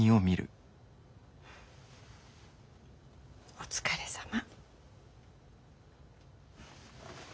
お疲れさま。